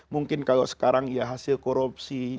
mungkin kalau sekarang ya hasil korupsi